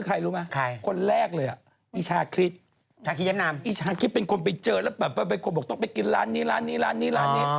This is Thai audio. กินกับกล้วยไก่กินกับกล้วยย่องอะไรอย่างนี้